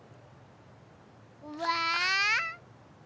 うわ